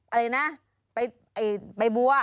อะไรนะใบบัว